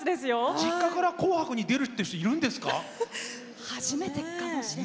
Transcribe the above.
実家から紅白に出る人いるんですね。